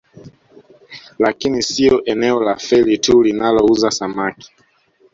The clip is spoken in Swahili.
Lakini sio eneo la Feli tu linalouza samaki